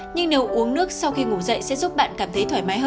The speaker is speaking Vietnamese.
nhưng nếu uống nước sau khi ngủ dậy sẽ giúp bạn cảm thấy thoải mái hơn